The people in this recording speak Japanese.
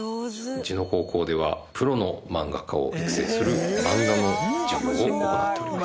うちの高校ではプロの漫画家を育成するマンガの授業を行っております。